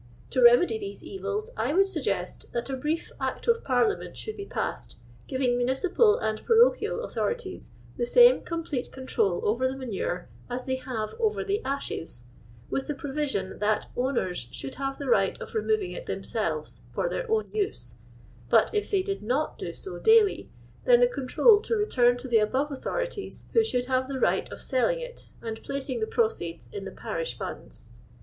'• To remedy these evils, I would suggest that a brief Act of Purliamcnt should be passed, giving municipal and parochial authorities the same com plete control over the manure as they have over the 'atiies,' with the provision, that owners Bhou'd have the rijjht of removing it themselves for their own use ; but if they did not do so daily, then the control to return to the above authorities, who should have the right of selling it, and placing the proceeds in the parish funds.